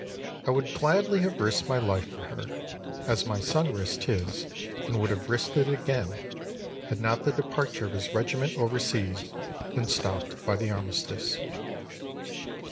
I would gladly have risked my life for her, as my son risked his and would have risked it again had not the departure of his regiment overseas been stopped by the armistice.